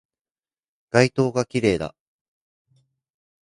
街灯が綺麗だ